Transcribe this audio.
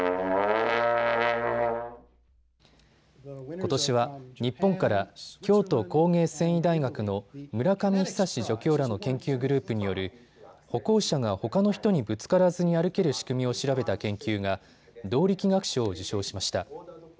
ことしは日本から京都工芸繊維大学の村上久助教らの研究グループによる歩行者がほかの人にぶつからずに歩ける仕組みを調べた研究が動力学賞を受賞しました。